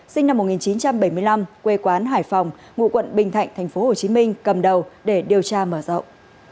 sinh năm một nghìn chín trăm bảy mươi năm quê quán hải phòng ngụ quận bình thạnh tp hcm cầm đầu để điều tra mở rộng